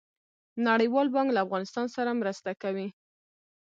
نړیوال بانک له افغانستان سره مرسته کوي